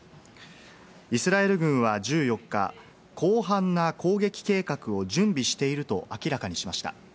イスラエル軍は１４日、広範な攻撃計画を準備していると明らかにしました。